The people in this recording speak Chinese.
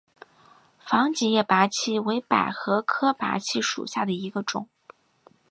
防己叶菝葜为百合科菝葜属下的一个种。